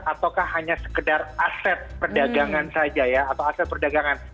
ataukah hanya sekedar aset perdagangan saja ya atau aset perdagangan